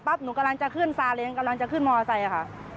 หนูกำลังจะขึ้นซาเล้งกำลังจะขึ้นมอไซค์ค่ะ